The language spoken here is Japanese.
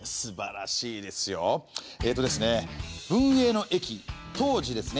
文永の役当時ですね